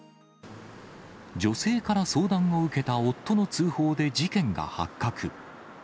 女性から相談を受けた夫の通報で事件が発覚。